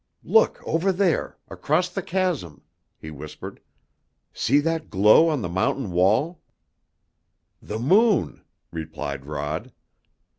"Look over there across the chasm," he whispered. "See that glow on the mountain wall?" "The moon!" replied Rod.